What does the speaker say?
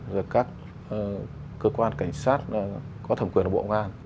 với các cơ quan cảnh sát có thẩm quyền của bộ ngoan